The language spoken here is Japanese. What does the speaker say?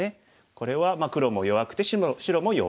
これは黒も弱くて白も弱い。